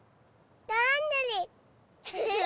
どんぐり！